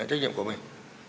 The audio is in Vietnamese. trách nhiệm của mình